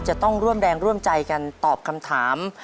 จะต้องร่วมแรงร่วมใจกันตอบคำถาม